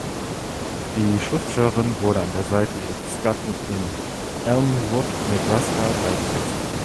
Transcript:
Die Schriftstellerin wurde an der Seite ihres Gatten in Elmwood (Nebraska) beigesetzt.